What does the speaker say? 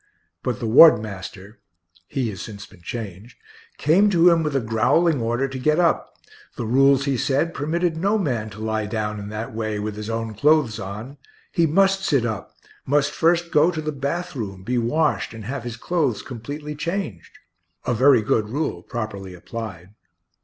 But the ward master (he has since been changed) came to him with a growling order to get up: the rules, he said, permitted no man to lie down in that way with his own clothes on; he must sit up must first go to the bath room, be washed, and have his clothes completely changed. (A very good rule, properly applied.)